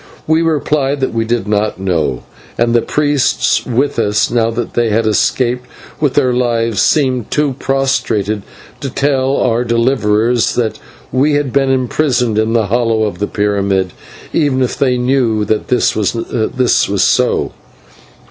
We replied that we did not know, and the priests with us, now that they had escaped with their lives, seemed too prostrated to tell our deliverers that we had been imprisoned in the hollow of the pyramid, even if they knew that this was so.